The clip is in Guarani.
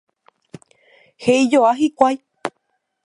he'ijoa hikuái